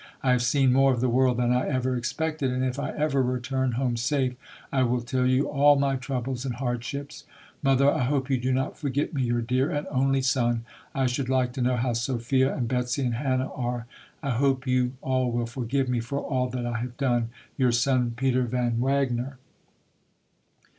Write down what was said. I have seen more of the world than I ever expected, and if I ever return home safe, I will tell you all my troubles and hardships. Mother, I hope you do not forget me, your dear and only son. I should like to know how Sophia and Betsy and Hannah are. I hope you all will forgive me for all that I have done. Your son, PETER VAN WAGNER.